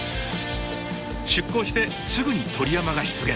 出港してすぐに鳥山が出現。